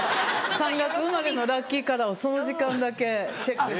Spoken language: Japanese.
３月生まれのラッキーカラーをその時間だけチェックして。